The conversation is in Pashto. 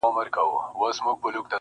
o که ستا چيري اجازه وي محترمه,